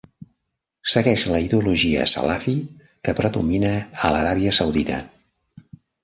Segueix la ideologia salafi que predomina a l'Aràbia Saudita.